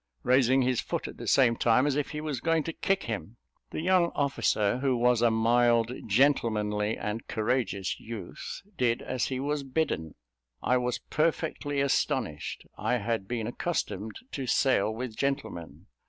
raising his foot at the same time, as if he was going to kick him. The young officer, who was a mild, gentlemanly, and courageous youth, did as he was bidden. I was perfectly astonished: I had been accustomed to sail with gentlemen.